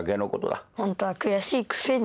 ホントは悔しいくせに。